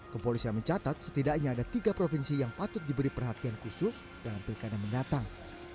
kepolisian mencatat setidaknya ada tiga provinsi yang patut diberi perhatian khusus dalam pilkada mendatang